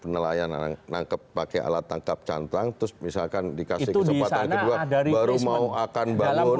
nelayan nangkep pakai alat tangkap cantrang terus misalkan dikasih kesempatan kedua baru mau akan bangun